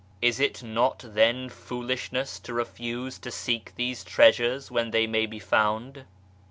Is it not then foolishness to refuse to seek these treasures where they may be found